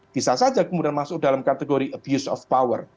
bisa saja kemudian masuk dalam kategori abuse of power